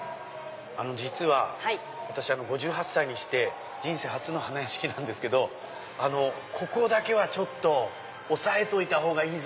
実は私５８歳にして人生初の花やしきなんですけどここだけは押さえといた方がいいぞ！